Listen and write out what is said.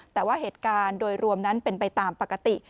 แต่ว่าเหตุการณ์โดยรวมนั้นเป็นไปตามปกติ